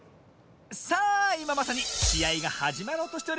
さあいままさにしあいがはじまろうとしております。